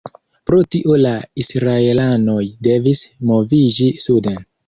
Pro tio la israelanoj devis moviĝi suden.